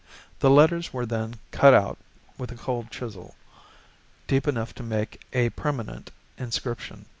The letters were then cut out with a cold chisel, deep enough to make a permanent inscription.